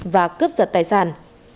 và cướp giật tài sản